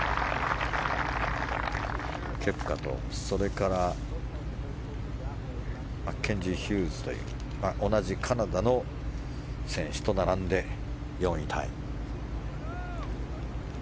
ケプカと、それからマッケンジー・ヒューズ同じカナダの選手と並んで４位タイ。